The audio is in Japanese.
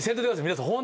皆さん